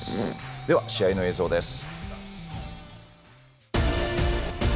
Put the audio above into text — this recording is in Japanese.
では、試合の映像です。